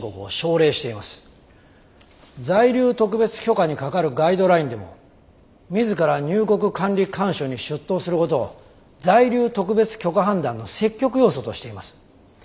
「在留特別許可に係るガイドライン」でも自ら入国管理官署に出頭することを在留特別許可判断の積極要素としています。